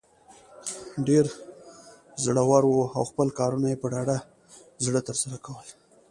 ډیر زړه ور وو او خپل کارونه یې په ډاډه زړه تر سره کول.